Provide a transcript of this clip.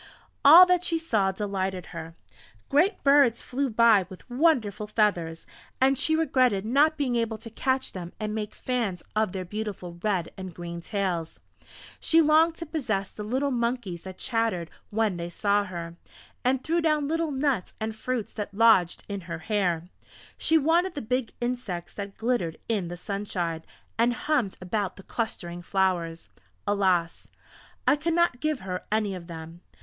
All that she saw delighted her. Great birds flew by with wonderful feathers, and she regretted not being able to catch them and make fans of their beautiful red and green tails. She longed to possess the little monkeys that chattered when they saw her, and threw down little nuts and fruits that lodged in her hair. She wanted the big insects that glittered in the sunshine, and hummed about the clustering flowers.... Alas! I could not give her any of them!